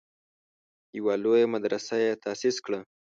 یوه لویه مدرسه یې تاسیس کړه.